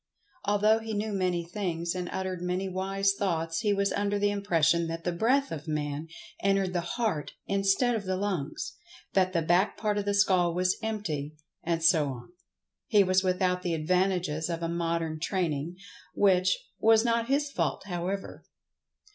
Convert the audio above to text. Although he knew many things, and uttered many wise thoughts, he was under the impression that the breath of Man entered the heart instead of the lungs—that the back part of the skull was empty, and so on. He was without the advantages of a modern training—which, was not his fault, however.